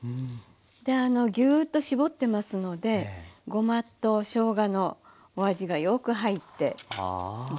であのギューッと絞ってますのでごまとしょうがのお味がよく入ってすごくおいしくなります。